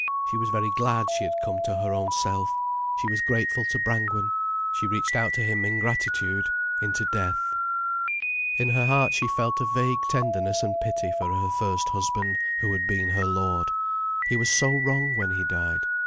She was very glad she had come to her own self. She was grateful to Brangwen. She reached out to him in gratitude, into death. In her heart she felt a vague tenderness and pity for her first husband, who had been her lord. He was so wrong when he died.